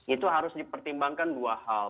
itu harus dipertimbangkan dua hal